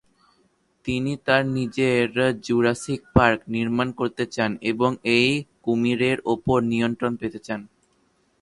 তিনি তার নিজের জুরাসিক পার্ক নির্মাণ করতে চান এবং এই কুমিরের উপর নিয়ন্ত্রণ পেতে চান।